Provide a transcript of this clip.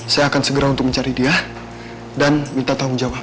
saya akan segera untuk mencari dia dan minta tanggung jawab